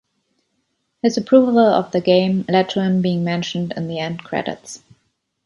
His approval of the game lead to him being mentioned in the end credits.